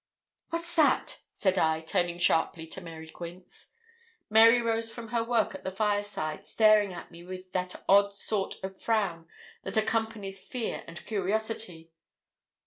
'What's that?' said I, turning sharply to Mary Quince. Mary rose from her work at the fireside, staring at me with that odd sort of frown that accompanies fear and curiosity.